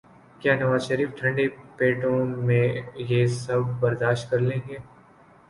کیا نوازشریف ٹھنڈے پیٹوں یہ سب برداشت کر لیں گے؟